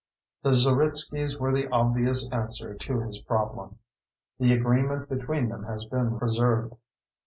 The Zeritskys were the obvious answer to his problem. The agreement between them has been preserved.